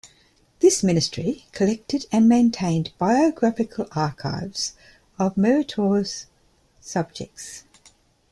This ministry collected and maintained biographical archives of meritorious subjects.